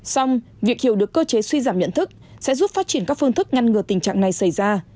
xong việc hiểu được cơ chế suy giảm nhận thức sẽ giúp phát triển các phương thức ngăn ngừa tình trạng này xảy ra